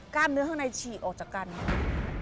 กล้ามเนื้อข้างในฉีออกจากกล้ามเนื้อ